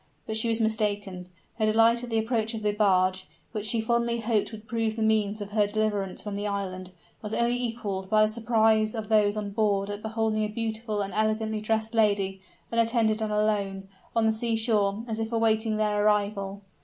But she was mistaken. Her delight at the approach of the barge, which she fondly hoped would prove the means of her deliverance from the island, was only equaled by the surprise of those on board at beholding a beautiful and elegantly dressed lady, unattended and alone, on the seashore, as if awaiting their arrival.